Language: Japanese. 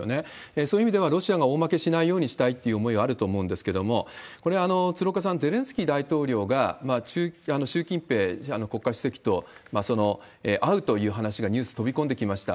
そういう意味では、ロシアが大負けしないようにしたいという思いがあると思うんですけれども、これ、鶴岡さん、ゼレンスキー大統領が習近平国家主席と会うという話がニュース、飛び込んできました。